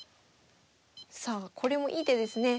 さあこれもいい手ですね。